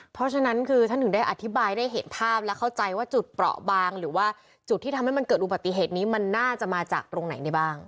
เพราะฉะนั้นคือท่านถึงได้อธิบายได้เห็นภาพและเข้าใจว่าจุดเปราะบางหรือว่าจุดที่ทำให้มันเกิดอุบัติเหตุนี้มันน่าจะมาจากตรงไหนได้บ้าง